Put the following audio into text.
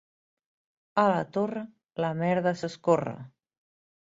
A la Torre la merda s'escorre.